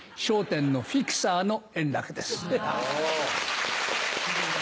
『笑点』のフィクサーの円楽です。